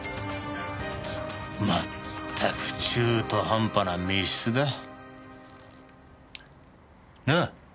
全く中途半端な密室だ。なあ？